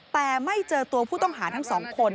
แต่ไม่เจอตัวผู้ต้องหาทั้งสองคน